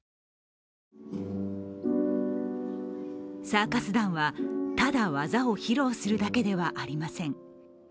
サーカス団は、ただ技を披露するだけではありません。